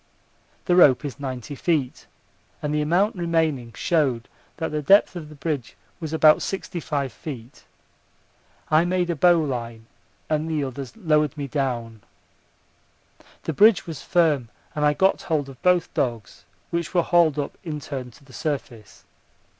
The rope is 90 feet, and the amount remaining showed that the depth of the bridge was about 65 feet. I made a bowline and the others lowered me down. The bridge was firm and I got hold of both dogs, which were hauled up in turn to the surface.